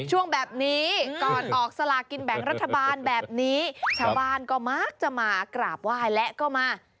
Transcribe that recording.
ช่วงแบบนี้ก่อนออกสลากินแบ่งรัฐบาลแบบนี้ชาวบ้านก็มักจะมากราบไหว้และก็มา